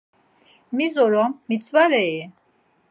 Mis orom mitzvarei?